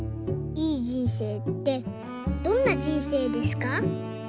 いい人生ってどんな人生ですか？」。